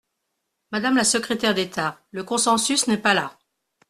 Madame la secrétaire d’État, le consensus n’est pas là.